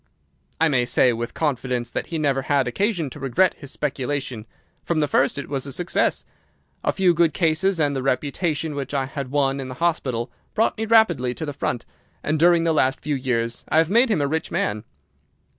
"I may say with confidence that he never had occasion to regret his speculation. From the first it was a success. A few good cases and the reputation which I had won in the hospital brought me rapidly to the front, and during the last few years I have made him a rich man.